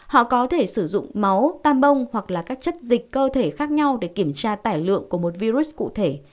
họ có thể sử dụng máu tam bông hoặc là các chất dịch cơ thể khác nhau để kiểm tra tải lượng của một virus cụ thể